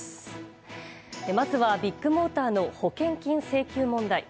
まずはビッグモーターの保険金請求問題。